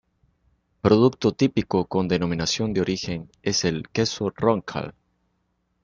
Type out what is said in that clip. Producto típico con denominación de origen es el queso Roncal.